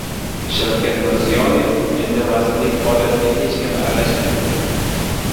Shavkat Mirziyoyev: «Endi vazirlik faoliyatiga hech kim aralashmaydi»